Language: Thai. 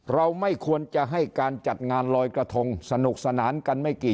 เราไม่ควรจะให้การจัดงานลอยกระทงสนุกสนานกันไม่กี่